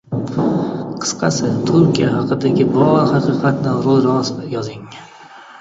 Qisqasi, Turkiya haqidagi bor haqiqatni ro‘y-rost yozing.